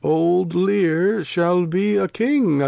Old Lear shall be A King again.